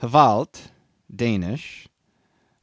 HVALT, Danish.